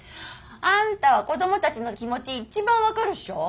あんたは子供たちの気持ち一番分かるっしょ？